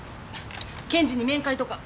検事に面会とか。